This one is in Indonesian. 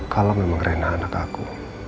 kalau memang rena anakku